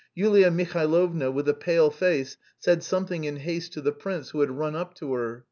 Yulia Mihailovna, with a pale face, said something in haste to the prince, who had run up to her.